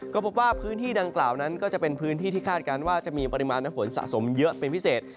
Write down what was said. ก็พบว่าพื้นที่ดังกล่าวนั้นก็จะเป็นพื้นที่ที่คาดการณ์ว่าจะมีปริมาณน้ำฝนสะสมเยอะเป็นพิเศษ